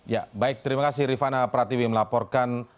ya baik terima kasih rifana pratiwi melaporkan